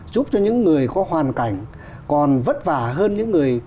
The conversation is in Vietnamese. giúp cho những người có hoàn cảnh